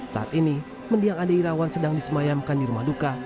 saat ini mendiang ade irawan sedang disemayamkan di rumah duka